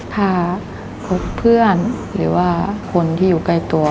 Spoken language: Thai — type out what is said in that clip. พาพวกเพื่อนหรือว่าคนที่อยู่ใกล้ตัว